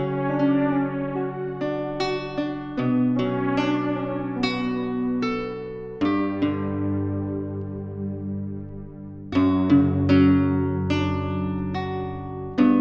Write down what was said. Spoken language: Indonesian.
kenapa selalu berdiri di situ